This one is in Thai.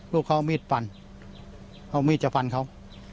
ลูกเขาเอามีดฟันเอามีดจะฟันเขา